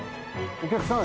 お客さん？